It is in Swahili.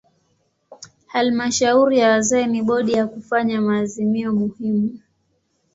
Halmashauri ya wazee ni bodi ya kufanya maazimio muhimu.